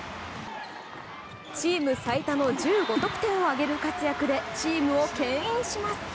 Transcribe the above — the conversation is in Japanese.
チーム最多の１５得点を挙げる活躍でチームを牽引します。